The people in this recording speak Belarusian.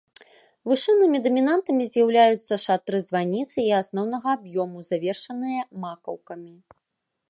Вышыннымі дамінантамі з'яўляюцца шатры званіцы і асноўнага аб'ёму, завершаныя макаўкамі.